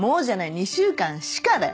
「２週間しか」だよ。